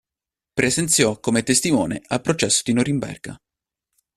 Presenziò come testimone al processo di Norimberga.